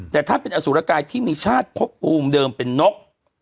แต่ท่านเป็นอสุรกายที่มีชาติพบภูมิเดิมเป็นนก